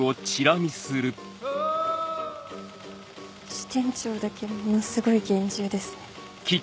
支店長だけものすごい厳重ですね。